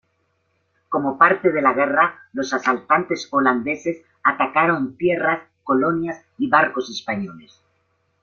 Como parte de la guerra, los asaltantes holandeses atacaron tierras, colonias y barcos españoles.